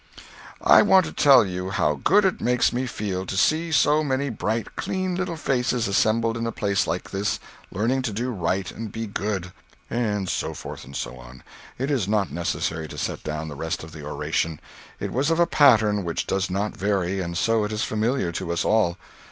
] I want to tell you how good it makes me feel to see so many bright, clean little faces assembled in a place like this, learning to do right and be good." And so forth and so on. It is not necessary to set down the rest of the oration. It was of a pattern which does not vary, and so it is familiar to us all.